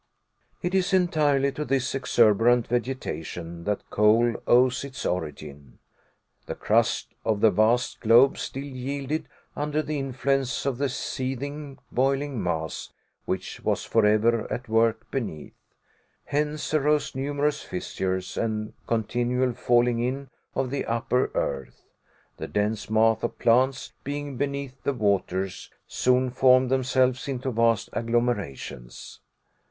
It is entirely to this exuberant vegetation that coal owes its origin. The crust of the vast globe still yielded under the influence of the seething, boiling mass, which was forever at work beneath. Hence arose numerous fissures, and continual falling in of the upper earth. The dense mass of plants being beneath the waters, soon formed themselves into vast agglomerations.